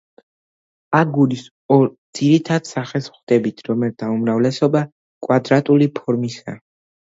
აგურის ორ ძირითად სახეს ვხვდებით, რომელთა უმრავლესობაც კვადრატული ფორმისაა.